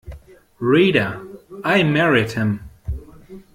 Reader, I married him.